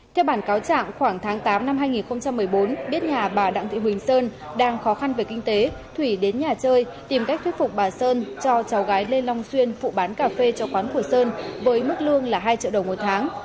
theo bản cáo trạng khoảng tháng tám năm hai nghìn một mươi bốn biết nhà bà đặng thị huỳnh sơn đang khó khăn về kinh tế thủy đến nhà chơi tìm cách thuyết phục bà sơn cho cháu gái lê long xuyên phụ bán cà phê cho quán của sơn với mức lương là hai triệu đồng một tháng